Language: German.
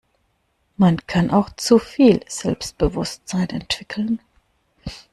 Man kann auch zu viel Selbstbewusstsein entwickeln.